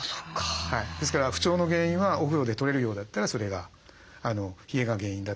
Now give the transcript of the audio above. ですから不調の原因はお風呂で取れるようだったらそれが冷えが原因だったということになります。